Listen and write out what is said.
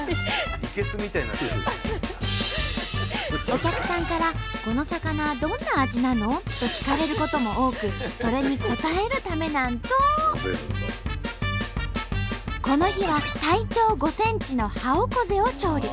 お客さんから「この魚どんな味なの？」と聞かれることも多くそれに応えるためなんと！この日は体長５ｃｍのハオコゼを調理。